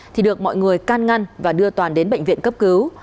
thì được mọi người can ngăn và đưa toàn đến bệnh viện cấp cứu